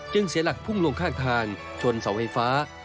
เสียหลักพุ่งลงข้างทางชนเสาไฟฟ้า